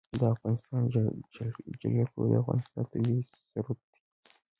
د افغانستان جلکو د افغانستان طبعي ثروت دی.